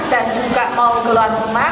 dan juga mau keluar rumah